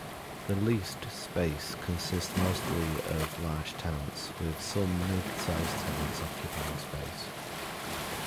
The leased space consists mostly of large tenants, with some mid-sized tenants occupying space.